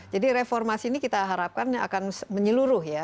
jadi reformasi ini kita harapkan akan menyeluruh ya